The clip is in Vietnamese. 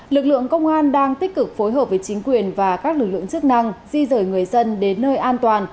lực lượng công an đang tích cực phối hợp với chính quyền và các lực lượng chức năng di rời người dân đến nơi an toàn